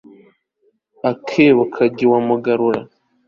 akebo kajya iwa mugarura